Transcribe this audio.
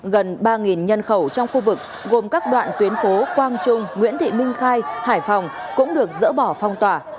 gần ba nhân khẩu trong khu vực gồm các đoạn tuyến phố quang trung nguyễn thị minh khai hải phòng cũng được dỡ bỏ phong tỏa